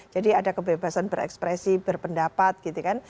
jadi ada kebebasan berekspresi berpendapat gitu kan